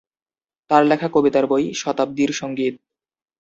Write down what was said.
তার লেখা কবিতার বই "শতাব্দীর সঙ্গীত"।